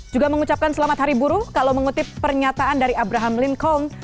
juga mengucapkan selamat hari buruh kalau mengutip pernyataan dari abraham linkong